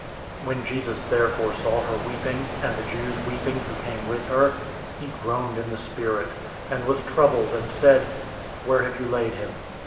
011:033 When Jesus therefore saw her weeping, and the Jews weeping who came with her, he groaned in the spirit, and was troubled, 011:034 and said, "Where have you laid him?"